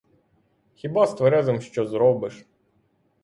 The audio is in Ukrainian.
Хіба з тверезим що зробиш?